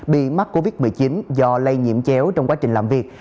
bị mắc covid một mươi chín do lây nhiễm chéo trong quá trình làm việc